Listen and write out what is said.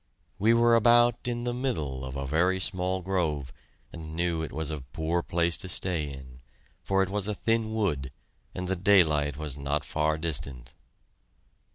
We were about in the middle of a very small grove, and knew it was a poor place to stay in, for it was a thin wood, and the daylight was not far distant.